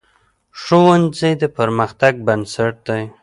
ښوونځی د پرمختګ بنسټ دی